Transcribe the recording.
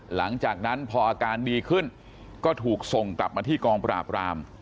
หลังจากนั้นพออาการดีขึ้นก็ถูกส่งกลับมาที่กองปราบราม